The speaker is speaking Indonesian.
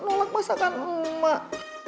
nolak masakan emak